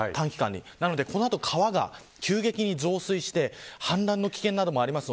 なので川が急激に増水して氾濫の危険などもあります。